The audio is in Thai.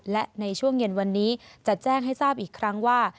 และในช่วงเย็นวันนี้จะแจ้งให้ทราบอีกครั้งว่า